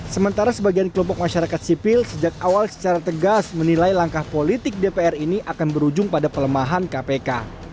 sementara sebagian kelompok masyarakat sipil sejak awal secara tegas menilai langkah politik dpr ini akan berujung pada pelemahan kpk